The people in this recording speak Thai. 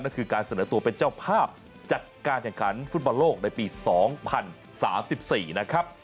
ก็คือการเสนอตัวเป็นเจ้าภาพจัดการแข่งขันฟุตบอลโลกในปี๒๐๓๔นะครับ